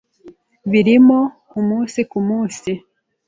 birimo Umunsi ku munsi,